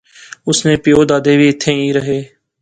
اس نے پیو دادے وی ایتھیں ایہہ رہے